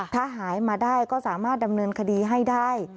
ถ้าหายมาได้ก็สามารถดำเนินคดีให้ได้